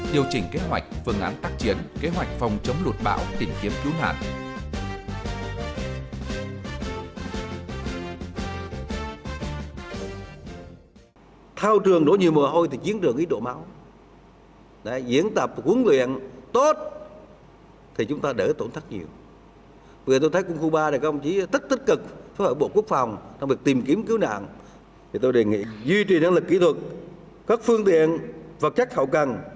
điều chỉnh kế hoạch phần án tác chiến kế hoạch phòng chống lột bão tìm kiếm cứu nạn